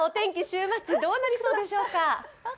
週末、どうなりそうでしょうか？